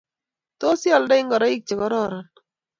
Tos ialdoi ngorik che kororon